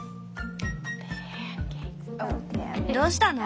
どうしたの？